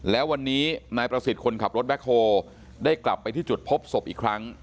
แล้ววันนี้นายประสิทธิ์คนขับรถแบ็คโฮได้กลับไปที่จุดพบศพอีกครั้ง